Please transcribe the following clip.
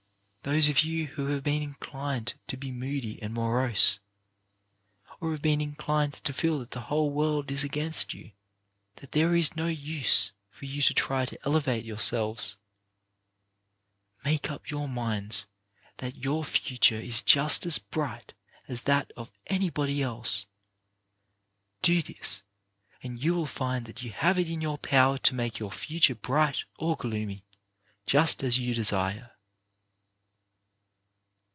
Those of you who have been inclined to be moody and morose, or have been inclined to feel that the whole world is against you, that there is no use for you to try to elevate yourselves, make up your minds that your future is just as bright as that of anybody else Do this, and you will find that you have it in your own power to make your future bright or gloomy, just as you desire.